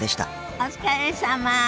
お疲れさま。